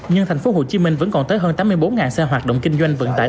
nhưng thành phố hồ chí minh vẫn còn tới hơn tám mươi bốn xe hoạt động kinh doanh vận tải